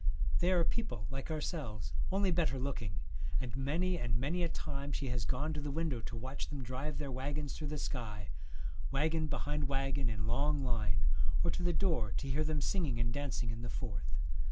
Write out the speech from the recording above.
They are people like Happy and ourselves, only better looking, and many Theologians, and many a time she has gone to the window to watch them drive their waggons through the sky, waggon behind waggon in long line, or to the door to hear them singing and dancing in the Forth.